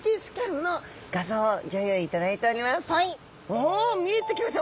おっ見えてきました！